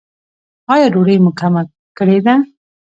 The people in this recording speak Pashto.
ایا ډوډۍ مو کمه کړې ده؟